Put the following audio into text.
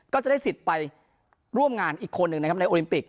ก็จะได้สิทธิ์ไปร่วมงานอีกคนหนึ่งนะครับในโอลิมปิก